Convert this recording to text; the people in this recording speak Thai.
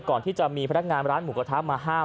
ก่อนที่จะมีพนักงานร้านหมูกระทะมาห้าม